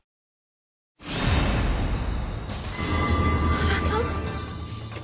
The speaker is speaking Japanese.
原さん！？